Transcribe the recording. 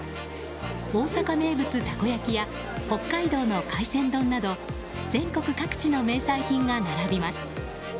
大阪名物たこ焼きや北海道の海鮮丼など全国各地の名産品が並びます。